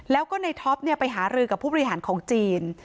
แล้วก็ในท็อปไปหารือกับผู้บริหารของจีน